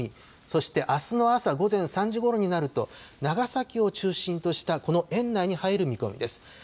そしてあすの朝午前３時ごろになると長崎を中心としたこの円内に入る見込みです。